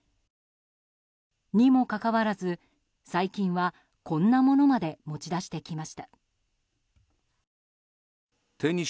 にもかかわらず最近はこんなものまで持ち出してきました。